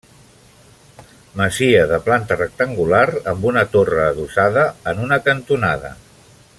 Masia de planta rectangular amb una torre adossada en una cantonada.